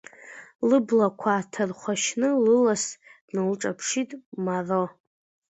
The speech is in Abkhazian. Лыблақәа ааҭархәашьны лысас дналҿаԥшит Маро.